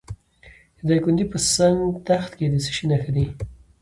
د دایکنډي په سنګ تخت کې د څه شي نښې دي؟